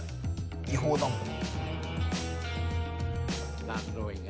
違法だもん。